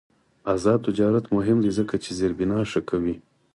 آزاد تجارت مهم دی ځکه چې زیربنا ښه کوي.